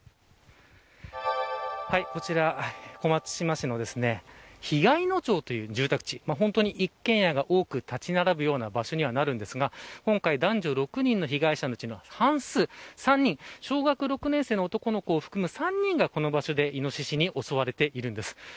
こちら、小松島市の日開野町という住宅地一軒家が多く立ち並ぶような場所になりますが今回、男女６人の被害者のうちの半数小学６年生の男の子を含む３人がイノシシに襲われているんです。